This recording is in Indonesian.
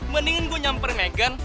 mendingan gue nyamper megan